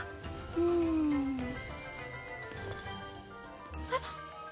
うん。えっ？